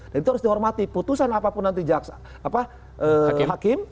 dan itu harus dihormati putusan apapun nanti hakim